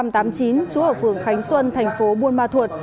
trú ở phường khánh xuân thành phố buôn ma thuột